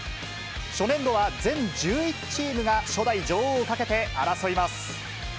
初年度は全１１チームが、初代女王をかけて争います。